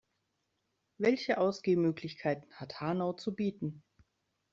Welche Ausgehmöglichkeiten hat Hanau zu bieten?